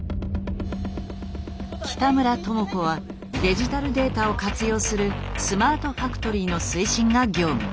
北村智子はデジタルデータを活用するスマートファクトリーの推進が業務。